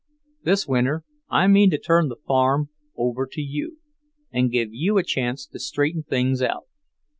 This winter I mean to turn the farm over to you and give you a chance to straighten things out.